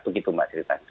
itu gitu mbak cerita